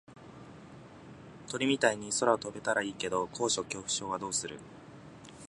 鳥みたいに空を飛べたらいいけど高所恐怖症はどうする？